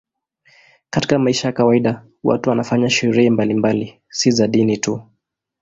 Katika maisha ya kawaida watu wanafanya sherehe mbalimbali, si za dini tu.